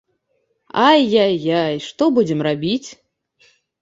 Ай-яй-яй, што будзем рабіць?